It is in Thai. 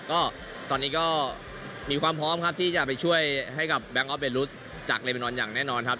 ก็ตอนนี้ก็มีความพร้อมครับที่จะไปช่วยให้กับแบงค์ออฟเบรุษจากเลเบนอนอย่างแน่นอนครับ